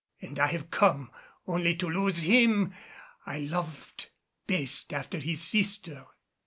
And I have come only to lose him I loved best after his sister."